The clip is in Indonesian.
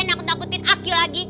nakut nakutin aku lagi